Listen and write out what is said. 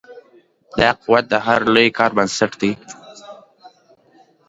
دا قوت د هر لوی کار بنسټ دی.